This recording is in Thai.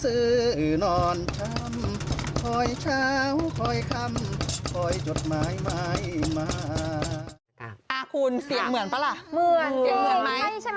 เหมือนใช่ใช่ใช่ไหม